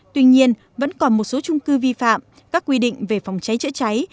tuy nhiên vẫn còn một số trung cư vi phạm các quy định về phòng cháy chữa cháy